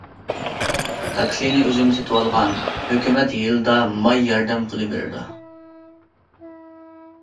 تاكسىنى ئۆزۈم سېتىۋالغان، ھۆكۈمەت يىلدا ماي ياردەم پۇلى بېرىدۇ.